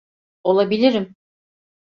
Olabilirim.